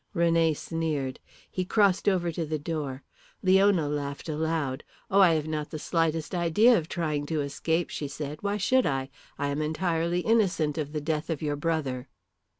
René sneered. He crossed over to the door. Leona laughed aloud. "Oh, I have not the slightest idea of trying to escape," she said. "Why should I? I am entirely innocent of the death of your brother."